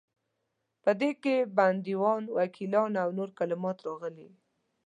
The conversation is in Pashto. په دې کې بندیوان، وکیلان او نور کلمات راغلي.